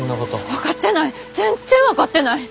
分かってない全然分かってない！